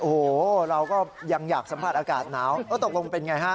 โอ้โหเราก็ยังอยากสัมผัสอากาศหนาวตกลงเป็นไงฮะ